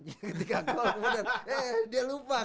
ketika gol kemudian eh dia lupa kan